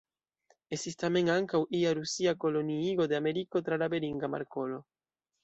Estis tamen ankaŭ ia Rusia koloniigo de Ameriko tra la Beringa Markolo.